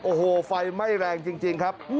โอ้โหไฟไหม้แรงจริงครับ